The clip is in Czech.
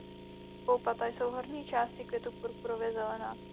Poupata jsou v horní části květu purpurově zelená.